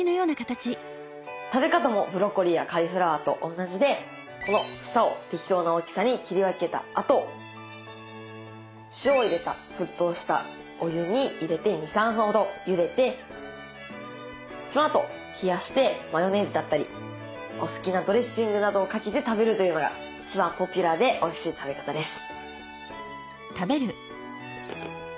食べ方もブロッコリーやカリフラワーと同じでこの房を適当な大きさに切り分けたあと塩を入れた沸騰したお湯に入れて２３分ほどゆでてそのあと冷やしてマヨネーズだったりお好きなドレッシングなどをかけて食べるというのが一番ポピュラーでおいしい食べ方です。